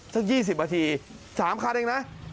สัก๒๐นาที๓คันเองนะ